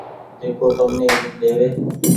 جيڪو تم ني ايزت ۮيوي